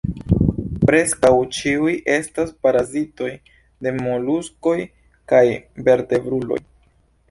Preskaŭ ĉiuj estas parazitoj de moluskoj kaj vertebruloj.